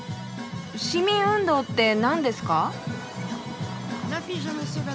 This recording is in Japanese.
市民運動ってなんですか？